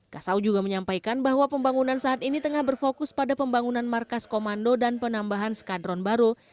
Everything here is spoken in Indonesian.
kasau juga menyampaikan bahwa pembangunan saat ini tengah berfokus pada pembangunan markas komando dan penambahan skadron baru